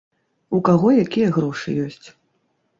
У каго якія грошы ёсць.